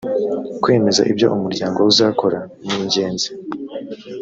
kwemeza ibyo umuryango uzakora ningenzi.